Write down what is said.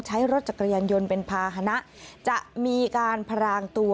ใช้รถจักรยานยนต์เป็นภาษณะจะมีการพรางตัว